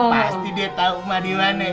pasti dia tau mah di mana